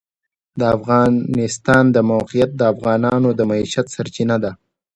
د افغانستان د موقعیت د افغانانو د معیشت سرچینه ده.